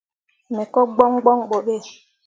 Me ko gboŋ gboŋ ɓo ɓe.